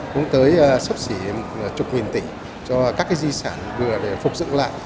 cũng tới sấp xỉ chục nghìn tỷ cho các cái di sản vừa để phục dựng lại